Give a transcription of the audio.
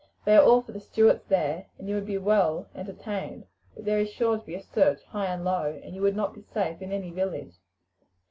They are all for the Stuarts there, and you would be well entertained, but there is sure to be a search high and low, and you would not be safe in any village.